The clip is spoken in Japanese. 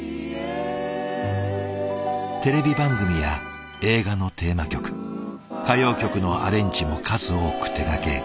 テレビ番組や映画のテーマ曲歌謡曲のアレンジも数多く手がけ